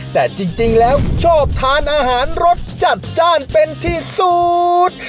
แต่จริงแล้วชอบทานอาหารรสจัดจ้านเป็นที่สุด